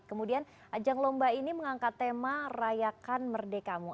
kemudian ajang lomba ini mengangkat tema rayakan merdekamu